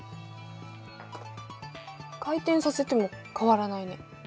回転させても変わらないね。